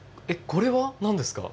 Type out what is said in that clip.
これは何ですか？